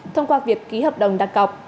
thông qua việc ký hợp đồng đặc cọc